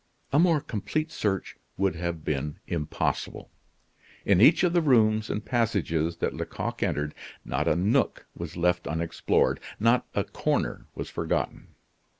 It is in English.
A more complete search would have been impossible. In each of the rooms and passages that Lecoq entered not a nook was left unexplored, not a corner was forgotten.